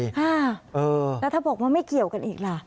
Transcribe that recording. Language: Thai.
แล้วถ้าบอกว่าไม่เกี่ยวกันอีกล่ะ